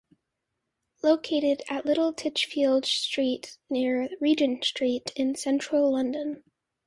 Located at Little Titchfield Street near Regent Street in central London.